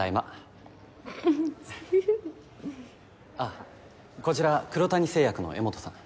あこちら黒谷製薬の江本さん。